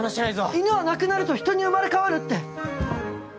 「犬は亡くなると人に生まれ変わる」って。